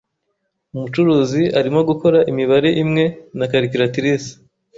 Umucuruzi arimo gukora imibare imwe na calculatrice.